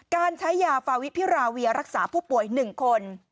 การใช้ยาฟาวิพิราเวียรักษาผู้ป่วย๑คน